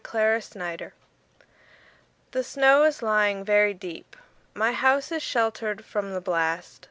Convention THE SNOW is lying very deep.My house is sheltered from the blast.